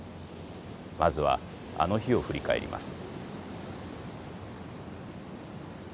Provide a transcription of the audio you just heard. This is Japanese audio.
まずはあの日を振り返ります。